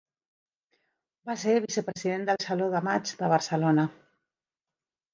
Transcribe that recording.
Va ser Vicepresident del Saló de Maig de Barcelona.